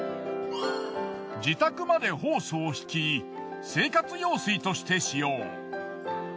自宅までホースを引き生活用水として使用。